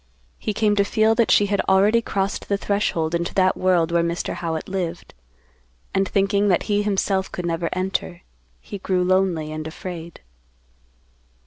He came to feel that she had already crossed the threshold into that world where Mr. Howitt lived. And, thinking that he himself could never enter, he grew lonely and afraid.